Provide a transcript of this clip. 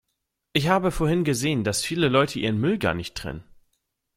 Ich habe vorhin gesehen, dass viele Leute ihren Müll gar nicht trennen.